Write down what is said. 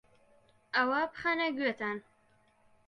ئەوە بخەنە گوێتان